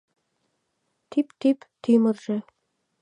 Тӱп-тӱп тӱмыржӧ